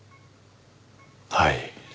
はい。